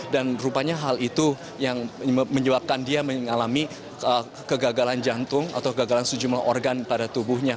dan rupanya hal itu yang menyebabkan dia mengalami kegagalan jantung atau kegagalan sejumlah organ pada tubuhnya